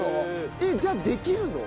えっじゃあできるの？